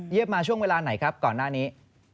มาช่วงเวลาไหนครับก่อนหน้านี้